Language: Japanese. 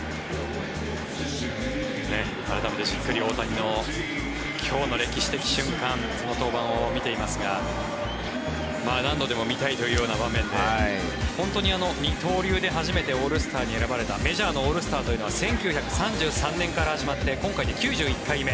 改めてじっくり大谷の今日の歴史的瞬間その登板を見ていますが何度でも見たいというような場面で本当に二刀流で初めてオールスターに選ばれたメジャーのオールスターというのは１９３３年から始まって今回で９１回目。